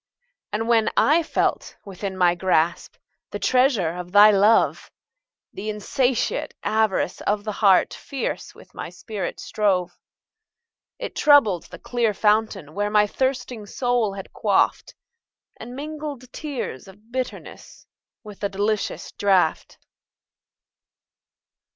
And when I felt within my grasp, The treasure of thy love; The insatiate avarice of the heart Fierce with my spirit strove.It troubled the clear fountain where My thirsting soul had quaffed, And mingled tears of bitterness With the delicious draught.